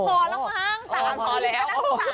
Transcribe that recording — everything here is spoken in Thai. พอแล้วมาก๓ซีกพอแล้ว